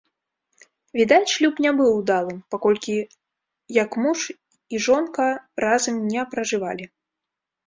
Відаць, шлюб не быў удалым, паколькі як муж і жонка разам ня пражывалі.